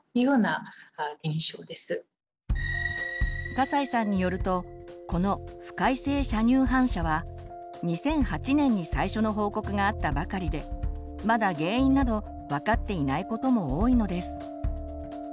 笠井さんによるとこの「不快性射乳反射」は２００８年に最初の報告があったばかりでまだ原因など分かっていないことも多いのです。